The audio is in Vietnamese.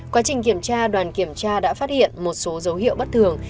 quá trình kiểm tra đoàn kiểm tra đã phát hiện một số dấu hiệu bất thường